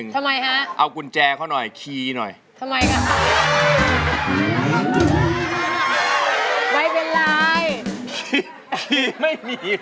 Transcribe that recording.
ขี้ไม่มีเลย